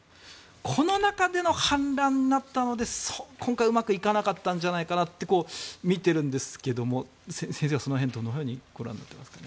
この中での反乱になったので今回はうまくいかなかったんじゃないのかなとみてるんですけど先生はその辺どのようにご覧になってますか。